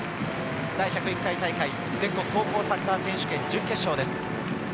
第１０１回大会全国高校サッカー選手権準決勝です。